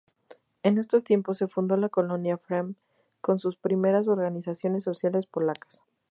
En esos tiempos se fundó la colonia Fram, con sus primeras organizaciones sociales polacas.